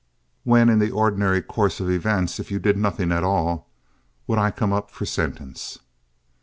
"When, in the ordinary course of events, if you did nothing at all, would I come up for sentence?"